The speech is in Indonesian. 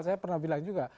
saya pernah bilang juga